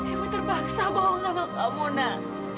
ibu terpaksa bohong sama kamu nak